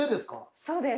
そうです。